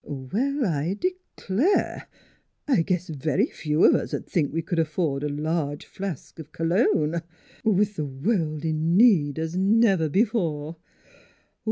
... Well, I declare ! I guess very few of us 'd think we c'd afford a large flask of cologne with the world in need, as never b'fore.